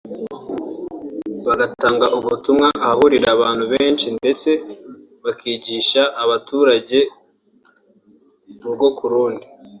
bagatanga ubutumwa ahahurira abantu benshi ndetse bakigisha abaturage urugo ku rundi